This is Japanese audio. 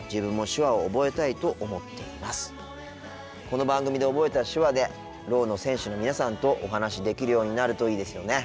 この番組で覚えた手話でろうの選手の皆さんとお話しできるようになるといいですよね。